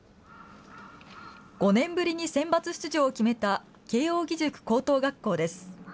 ５年ぶりにセンバツ出場を決めた慶應義塾高等学校です。